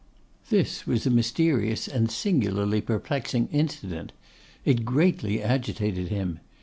This was a mysterious and singularly perplexing incident. It greatly agitated him.